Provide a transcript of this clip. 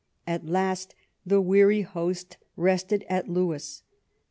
At last the weary host rested at Lewes.